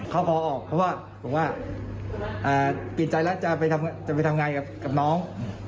เขาขอออกเพราะว่าผมว่าปิดใจแล้วจะไปทำงานกับน้อง